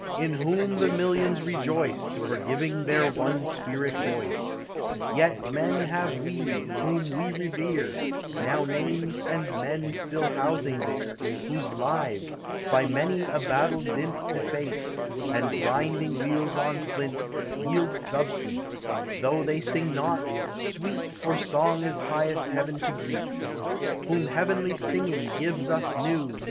In whom the millions rejoice. For giving their one spiril voice. Yet men have we, whom we revere, Now names, and men si ill housing he* Whose lives, by many a battle dinl Defaced, and grinding wheels on flint, Yield substance, though they sing oot, bt I For song our highest heaven to greel : Whom heavenly singing gives OS new.